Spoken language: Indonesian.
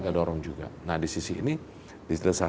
nah ini kita lanjutkan di asean ini kan kita menjadi chairnya asean